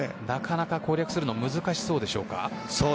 なかなか攻略するのは難しそうでしょうか。